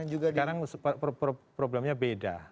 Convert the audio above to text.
sekarang problemnya beda